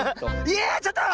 いやちょっと！